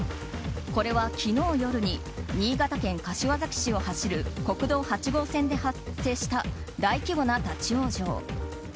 これは昨日夜に新潟県柏崎市を走る国道８号線で発生した大規模な立ち往生。